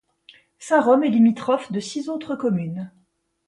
Saint-Rome est limitrophe de six autres communes.